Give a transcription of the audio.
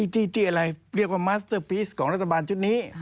ที่อะไรเรียกว่ามัสเตอร์ปีสของรัฐบาลชุดนี้